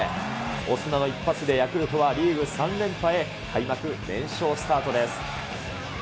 オスナの一発で、ヤクルトはリーグ３連覇へ、開幕連勝スタートです。